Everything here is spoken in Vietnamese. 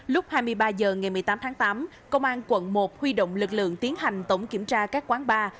lúc hai mươi ba h ngày một mươi tám tháng tám công an quận một huy động lực lượng tiến hành tổng kiểm tra các quán bar